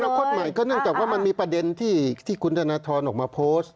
คตใหม่ก็เนื่องจากว่ามันมีประเด็นที่คุณธนทรออกมาโพสต์